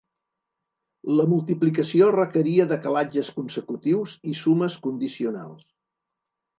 La multiplicació requeria decalatges consecutius i sumes condicionals.